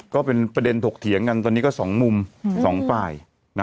ก็เป็นประเด็นถกเถียงกันตอนนี้ก็๒มุมสองฝ่าย